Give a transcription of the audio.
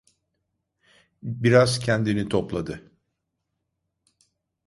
Biraz kendini topladı.